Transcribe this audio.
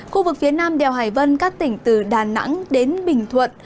khu vực phía nam đèo hải vân các tỉnh từ đà nẵng đến bình thuận